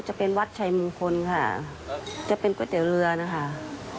จะเป็นวัดชัยมงคลค่ะจะเป็นก๋วยเตี๋ยวเรือนะคะ